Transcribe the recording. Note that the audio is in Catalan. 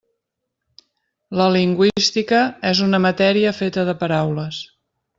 La lingüística és una matèria feta de paraules.